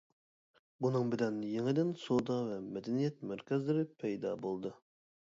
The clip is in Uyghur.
بۇنىڭ بىلەن يېڭىدىن سودا ۋە مەدەنىيەت مەركەزلىرى پەيدا بولدى.